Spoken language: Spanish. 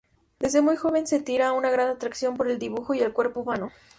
Desde muy joven sentirá una gran atracción por el dibujo y el cuerpo humano.